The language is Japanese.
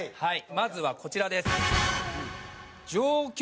まずはこちらです。